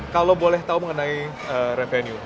kalau boleh tahu mengenai revenue